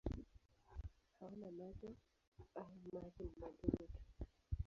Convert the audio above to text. Hawana macho au macho ni madogo tu.